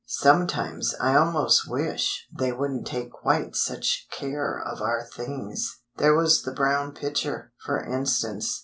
Sometimes I almost wish they wouldn't take quite such care of our things! There was the brown pitcher, for instance.